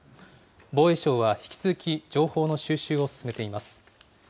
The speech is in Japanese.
防衛省は引き続き、情報の収集を進めています。